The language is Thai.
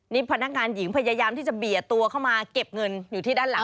นี่พนักงานหญิงพยายามที่จะเบียดตัวเข้ามาเก็บเงินอยู่ที่ด้านหลัง